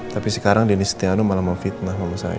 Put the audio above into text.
tapi sekarang denny setiano malah memfitnah kalau saya